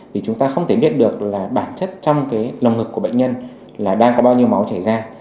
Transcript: vì chúng ta không thể biết được là bản chất trong cái lồng ngực của bệnh nhân là đang có bao nhiêu máu chảy ra